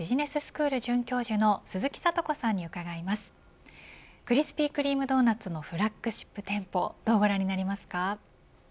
クリスピー・クリーム・ドーナツのフラッグシップ店舗どうご覧になりますか。